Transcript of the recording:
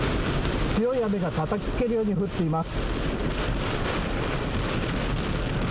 強い雨がたたきつけるように降っています。